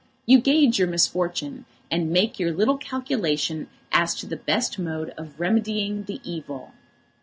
You gauge your misfortune, and make your little calculation as to the best mode of remedying the evil.